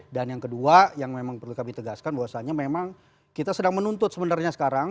dan yang kedua yang memang perlu kami tegaskan bahwasannya memang kita sedang menuntut sebenarnya sekarang